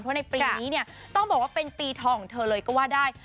เพราะในปีนี้เนี่ยต้องบอกว่าเป็นปีทองของเธอเลยก็ว่าได้